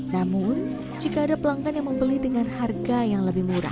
namun jika ada pelanggan yang membeli dengan harga yang lebih murah